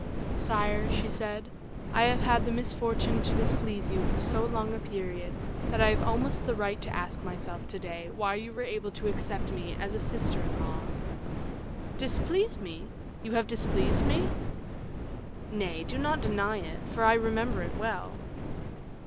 "Sire," she said, "I have had the misfortune to displease you for so long a period, that I have almost the right to ask myself to day why you were able to accept me as a sister in law." "Displease me! You have displeased me?" "Nay, do not deny it, for I remember it well."